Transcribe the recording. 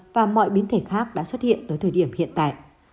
và mọi biến thể khác đã xuất hiện tới thời điểm hiện tại